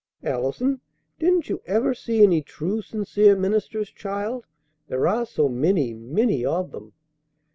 "Allison! Didn't you ever see any true, sincere ministers, child? There are so many, many of them!"